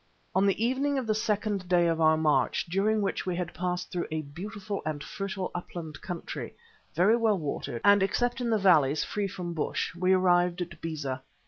On the evening of the second day of our march, during which we had passed through a beautiful and fertile upland country, very well watered, and except in the valleys, free from bush, we arrived at Beza.